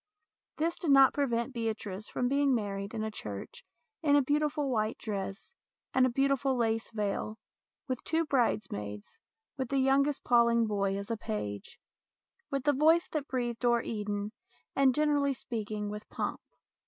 This did not prevent Beatrice from being married in a church in a beautful white dress and a beauti ful lace veil, with two bridesmaids, with the youngest Pawling boy as a page, with The Voice 228 STORIES IN GREY that breathed o'er Eden and, generally speaking, with pomp.